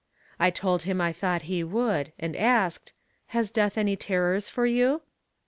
I told him I thought he would, and asked: "Has death any terrors for you?"